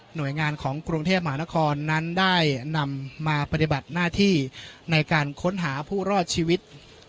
โดยงานของกรุงเทพมหานครนั้นได้นำมาปฏิบัติหน้าที่ในการค้นหาผู้รอดชีวิต